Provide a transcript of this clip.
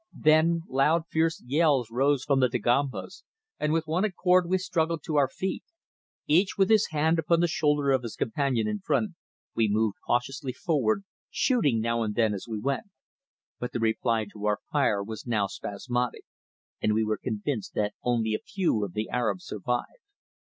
Then, loud fierce yells rose from the Dagombas and with one accord we struggled to our feet. Each with his hand upon the shoulder of his companion in front we moved cautiously forward, shooting now and then as we went. But the reply to our fire was now spasmodic, and we were convinced that only a few of the Arabs survived.